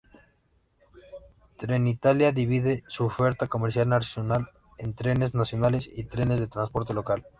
Trenitalia divide su oferta comercial nacional en "trenes nacionales" y "trenes de transporte local".